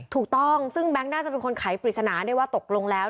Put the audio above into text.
ถูกต้องซึ่งแบงค์น่าจะเป็นคนไขปริศนาได้ว่าตกลงแล้ว